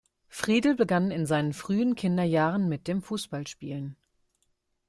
Friedl begann in seinen frühen Kinderjahren mit dem Fußballspielen.